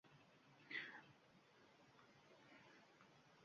Balog‘at kalom ziynatidir. Balog‘at ilmini bilgan odam bexato so‘zlaydi.